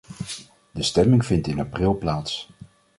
De stemming vindt in april plaats.